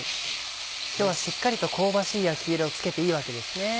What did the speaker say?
今日はしっかりと香ばしい焼き色をつけていいわけですね。